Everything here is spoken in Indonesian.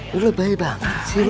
lu lu baik banget sih lu